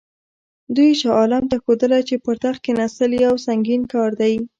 دوی شاه عالم ته ښودله چې پر تخت کښېنستل یو سنګین کار دی.